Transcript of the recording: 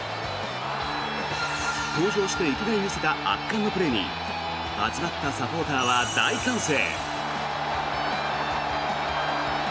登場していきなり見せた圧巻のプレーに集まったサポーターは大歓声。